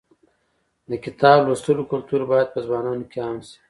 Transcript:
د کتاب لوستلو کلتور باید په ځوانانو کې عام شي.